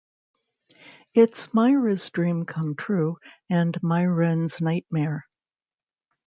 It's Myra's dream come true, and Myron's nightmare.